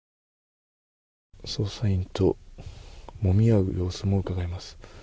捜査員ともみ合う様子もうかがえます。